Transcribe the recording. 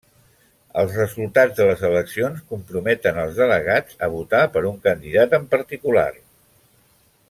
Els resultats de les eleccions comprometen els delegats a votar per un candidat en particular.